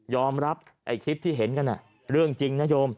ไอ้คลิปที่เห็นกันเรื่องจริงนะโยม